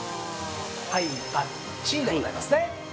はいパッチンでございますね。